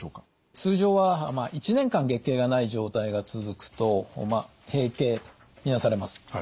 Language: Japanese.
通常は１年間月経がない状態が続くと閉経と見なされます。